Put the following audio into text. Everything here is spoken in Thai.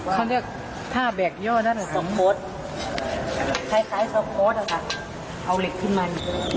เขาเรียกผ้าแบกยอดนั่นสมมุติคล้ายสมมุติเอาเหล็กขึ้นมา